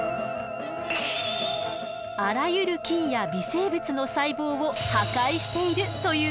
あらゆる菌や微生物の細胞を破壊しているというわけ。